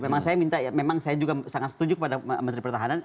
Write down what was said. memang saya juga sangat setuju kepada menteri pertahanan